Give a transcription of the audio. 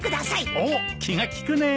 おっ気が利くねえ。